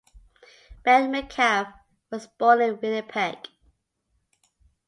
Ben Metcalfe was born in Winnipeg.